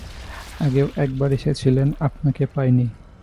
আগেও এক বার এসেছিলাম, আপনাকে পাইনি।